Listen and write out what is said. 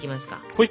はい！